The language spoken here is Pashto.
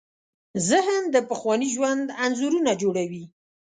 ذهن د پخواني ژوند انځورونه جوړوي.